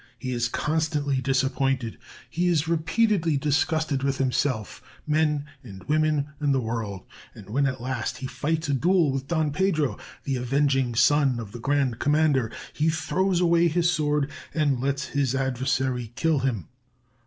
He is constantly disappointed. He is repeatedly disgusted with himself, men and women, and the world; and when at last he fights a duel with Don Pedro, the avenging son of the Grand Commander, he throws away his sword and lets his adversary kill him.